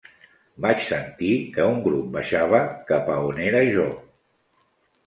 Vaig sentir que un grup baixava cap a on era jo.